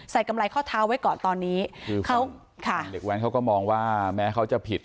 กำไรข้อเท้าไว้ก่อนตอนนี้คือเขาค่ะเด็กแว้นเขาก็มองว่าแม้เขาจะผิด